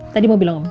tadi mau bilang om